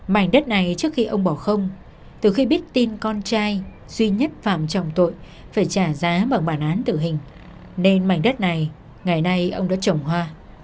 mảnh đất này trước khi ông bỏ không từ khi biết tin con trai duy nhất phạm trọng tội phải trả giá bằng bản án tử hình nên mảnh đất này ngày nay ông đã trồng hoa